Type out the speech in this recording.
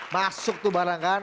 masuk tuh barangkahan